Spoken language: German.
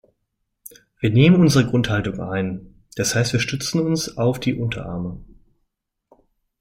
Wir nehmen unsere Grundhaltung ein, das heißt wir stützen uns auf die Unterarme.